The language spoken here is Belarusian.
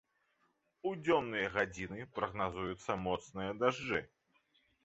У дзённыя гадзіны прагназуюцца моцныя дажджы.